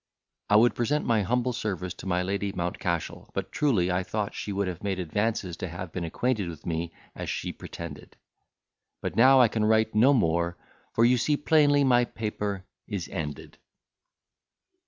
I would present my humble service to my Lady Mountcashel; but truly I thought she would have made advances to have been acquainted with me, as she pretended. But now I can write no more, for you see plainly my paper is ended.